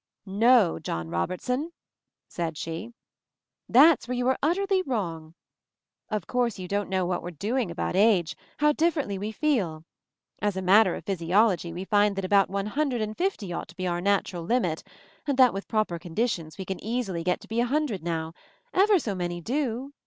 "No, John Robertson," she she, "that's where you are utterly wrong. Of course, you don't know what we're doing about age — how differently we feel. As a matter of physiology we find that about one hundred and fifty ought to be our natural limit ; and that with proper conditions we can easily get to be a hundred now. Ever so many do."